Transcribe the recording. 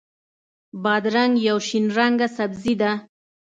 بادرنګ یو شین رنګه سبزي ده.